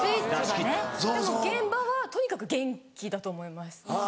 でも現場はとにかく元気だと思います。